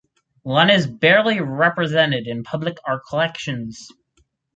Lunn is barely represented in public art collections.